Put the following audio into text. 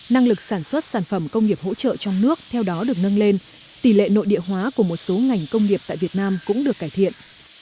năng lực sản xuất sản phẩm công nghiệp hỗ trợ trong nước theo đó được nâng lên tỷ lệ nội địa hóa của một số ngành công nghiệp tại việt nam cũng được cải thiện